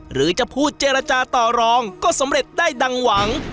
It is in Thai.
หรือจะพูดเจรจาต่อรองก็สำเร็จได้ดังหวัง